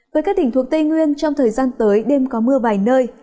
với các tỉnh thuộc tây nguyên trong thời gian tới đêm có mưa vài nơi